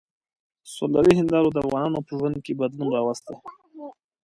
سولري هندارو د افغانانو په ژوند کې بدلون راوستی.